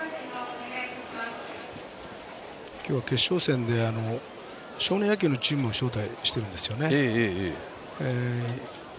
今日は決勝戦で少年野球のチームを招待しているんですよね。